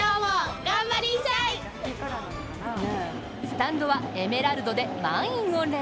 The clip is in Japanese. スタンドはエメラルドで満員御礼。